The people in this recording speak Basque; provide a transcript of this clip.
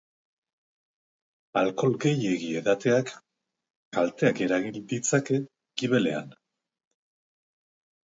Alkohol gehiegi edateak kalteak eragin ditzake gibelean.